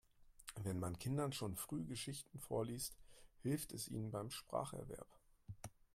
Wenn man Kindern schon früh Geschichten vorliest, hilft es ihnen beim Spracherwerb.